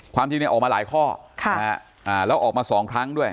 ความจริงออกมาหลายข้อแล้วออกมา๒ครั้งด้วย